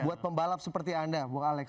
buat pembalap seperti anda bung alex